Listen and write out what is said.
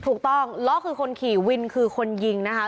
ล้อก็คือคนขี่วินคือคนยิงนะ